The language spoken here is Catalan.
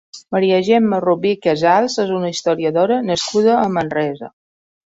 Maria Gemma Rubí Casals és una historiadora nascuda a Manresa.